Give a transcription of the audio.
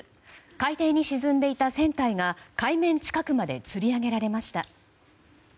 海底に沈んでいた船体が海面近くまでつり上げられました。